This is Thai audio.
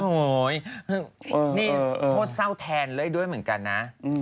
โอ้โหนี่โทษเศร้าแทนเลยด้วยเหมือนกันนะ